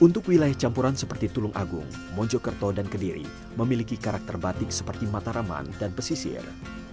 untuk wilayah campuran seperti tulung agung mojokerto dan kediri memiliki karakter batik seperti mataraman dan pesisir